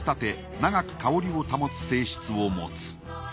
長く香りを保つ性質を持つ。